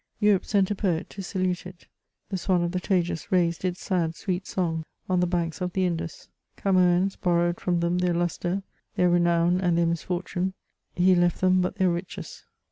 Europe sent a poet to salute it ; the swan of the Tagus raised its sad sweet song on the banks of the Indus ; Camo6ns borrowed from them their lustre, their renown, and their misfortune, he left them but their riches.